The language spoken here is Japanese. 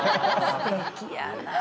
すてきやなあ。